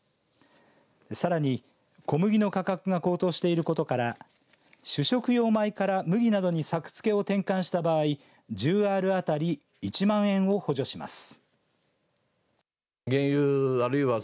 さらに小麦の価格が高騰していることから主食用米から麦などに作付けを転換した場合１０アール当たり１万円を補助します。